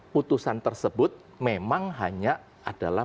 putusan tersebut memang hanya adalah